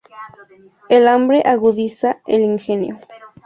El hambre agudiza el ingenio